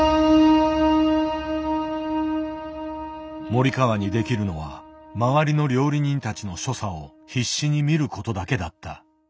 森川にできるのは周りの料理人たちの所作を必死に見ることだけだった。